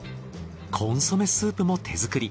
コンソメスープも手作り。